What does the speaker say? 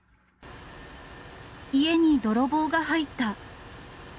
家に泥棒が入った。